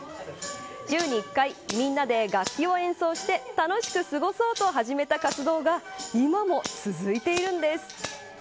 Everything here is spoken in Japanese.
週に１回みんなで楽器を演奏して楽しく過ごそうと始めた活動が今も続いているんです。